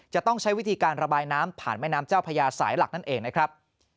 จะต้องใช้วิธีการระบายน้ำผ่านแม่น้ำเจ้าพญาสายหลักนั่นเองนะครับ